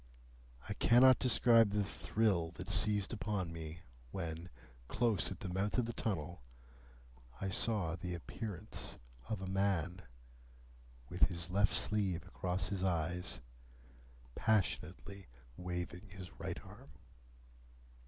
I cannot describe the thrill that seized upon me, when, close at the mouth of the tunnel, I saw the appearance of a man, with his left sleeve across his eyes, passionately waving his right arm.